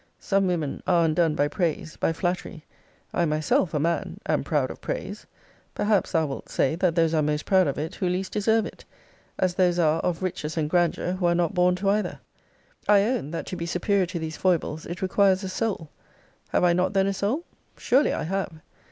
Some women are undone by praise, by flattery. I myself, a man, am proud of praise. Perhaps thou wilt say, that those are most proud of it who least deserve it; as those are of riches and grandeur who are not born to either. I own, that to be superior to these foibles, it requires a soul. Have I not then a soul? Surely, I have.